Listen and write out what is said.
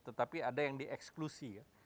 tetapi ada yang dieksklusi ya